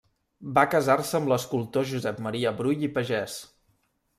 Va casar-se amb l'escultor Josep Maria Brull i Pagès.